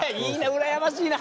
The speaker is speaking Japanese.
うらやましいな。